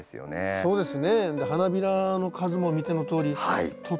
そうですね。